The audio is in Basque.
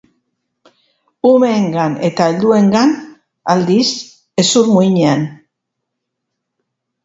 Umeengan eta helduengan, aldiz, hezur muinean.